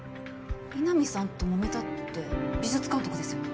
井波さんと揉めたって美術監督ですよね？